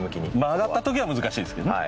曲がった時は難しいですけどね。